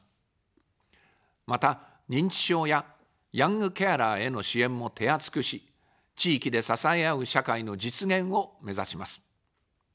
また、認知症やヤングケアラーへの支援も手厚くし、地域で支え合う社会の実現をめざします。